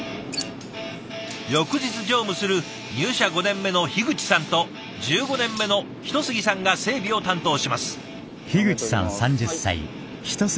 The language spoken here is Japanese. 翌日乗務する入社５年目の口さんと１５年目の一杉さんが整備を担当します。